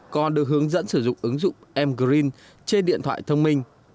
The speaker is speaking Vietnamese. còn được hướng dẫn sử dụng ứng dụng m green trên điện thoại thông minh